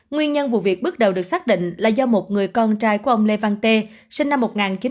nguyên nhân vụ việc bước đầu được xác định là do một người con trai của ông lê văn tê sinh năm một nghìn chín trăm tám mươi